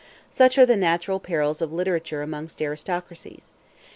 Such are the natural perils of literature amongst aristocracies.